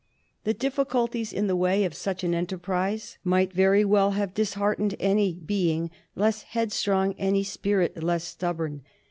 The difficulties in the way of such an enterprise might very well have disheartened any being less headstrong, any spirit less stubborn.